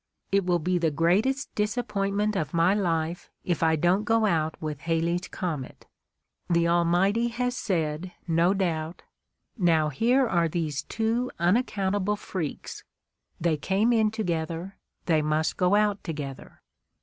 It will be the greatest disappointment of my life if I don't go out with Halley's comet. The Almighty has said, no doubt: 'Now here are these two unaccountable freaks, they came in together, they must go out to gether.'